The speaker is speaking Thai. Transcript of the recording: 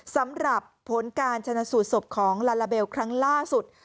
สำหรับผลการชนะสูตรศพของลาลาเบลครั้งล่าสุด